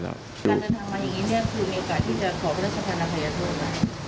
การจะทำอย่างนี้คือมีโอกาสที่จะขอพระราชทานาภัยทธวดไหม